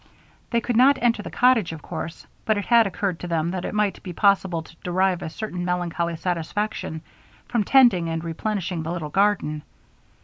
They could not enter the cottage, of course, but it had occurred to them that it might be possible to derive a certain melancholy satisfaction from tending and replenishing the little garden.